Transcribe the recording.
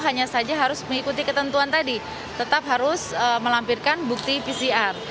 hanya saja harus mengikuti ketentuan tadi tetap harus melampirkan bukti pcr